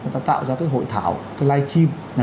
ta tạo ra cái hội thảo cái live stream là